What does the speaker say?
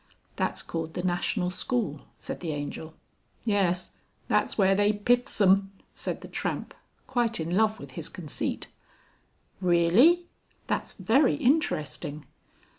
"That's called the national school," said the Angel. "Yes that's where they piths 'em," said the Tramp, quite in love with his conceit. "Really! That's very interesting."